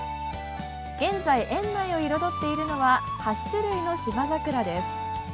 現在、園内を彩っているのは８種類の芝桜です。